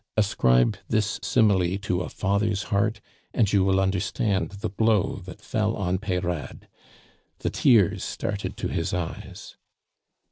Ascribe this simile to a father's heart, and you will understand the blow that fell on Peyrade; the tears started to his eyes.